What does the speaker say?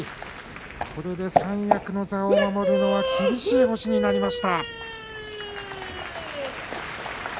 これで三役の座を守るのは厳しい星になりました。